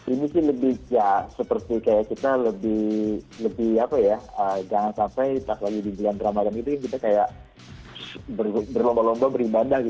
ini sih lebih ya seperti kayak kita lebih apa ya jangan sampai pas lagi di bulan ramadan itu kita kayak berlomba lomba beribadah